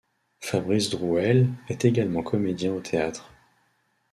Fabrice Drouelle est également comédien au théâtre.